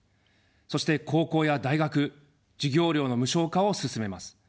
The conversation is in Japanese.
そして高校や大学、授業料の無償化を進めます。